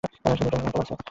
কিন্তু এটা এখনও সচল আছে।